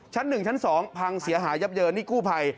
ชั้น๑ชั้น๒พังเสียหายับเยินนี่กู้ภัย